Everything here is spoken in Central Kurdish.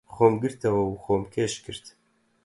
خۆم گرتەوە و خۆم کێش کرد.